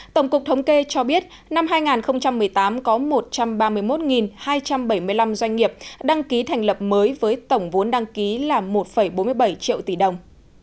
tổng cục thống kê cho biết năm hai nghìn một mươi tám có một trăm ba mươi một hai trăm bảy mươi năm doanh nghiệp đăng ký thành lập mới với tổng vốn đăng ký là một bốn mươi bảy triệu tỷ đồng